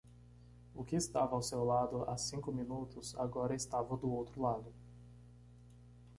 O que estava ao seu lado há cinco minutos agora estava do outro lado.